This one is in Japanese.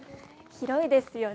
広いですよね。